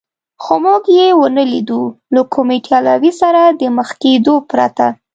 خو موږ یې و نه لیدو، له کوم ایټالوي سره د مخ کېدو پرته.